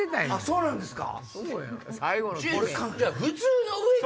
そうなんですか？